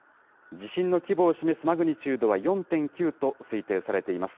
地震の規模を示すマグニチュードは４．９と推定されています。